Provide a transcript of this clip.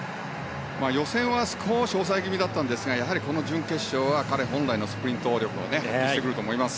予選は少し抑え気味だったんですがやはりこの準決勝は彼本来のスプリント力を見せてくると思います。